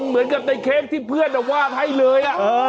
เหมือนกับในเค้กที่เพื่อนวาดให้เลย